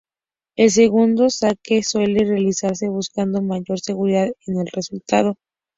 El segundo saque suele realizarse buscando mayor seguridad en el resultado.